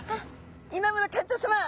稲村館長さま